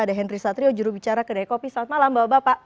ada henry satrio jurubicara kedai kopi selamat malam bapak bapak